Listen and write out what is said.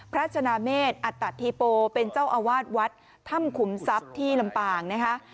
ชนะเมษอัตธิโปเป็นเจ้าอาวาสวัดถ้ำขุมทรัพย์ที่ลำปางนะคะ